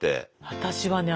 私はね